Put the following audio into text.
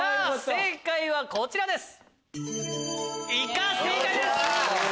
正解はこちらです。